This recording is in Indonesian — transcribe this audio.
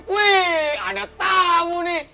wih ada tamu nih